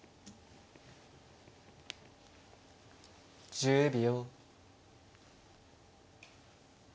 １０秒。